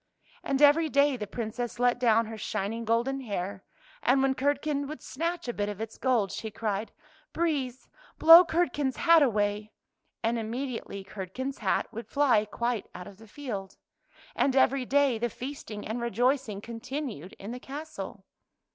And every day the Princess let down her shining golden hair, and when Curdken would snatch a bit of its gold, she cried, " Breeze, blow Curdken's hat away! " And immediately Curdken's hat would fly quite out of the field. And every day the feasting and rejoicing continued in the castle.